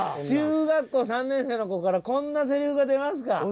中学校３年生の子からこんなセリフが出ますか。